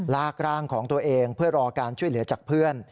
ลากร่างของตัวเองเพื่อรอการช่วยเหลือจากเพื่อน